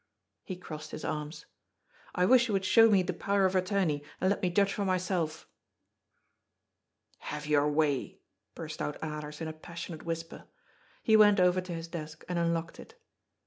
He crossed his arms. " I wish you would show me the Power of Attorney, and let me judge for myself." " Have your way," burst out Alers in a passionate whisper. He went over to his desk and unlocked it.